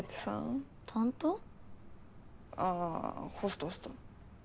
ああホストホスト。